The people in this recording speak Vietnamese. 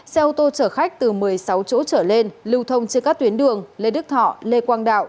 xe ô tô chở khách từ một mươi sáu chỗ trở lên lưu thông trên các tuyến đường lê đức thọ lê quang đạo